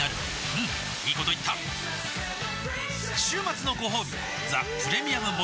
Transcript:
うんいいこと言った週末のごほうび「ザ・プレミアム・モルツ」